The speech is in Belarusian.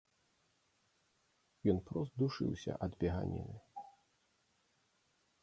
Ён прост душыўся ад беганіны.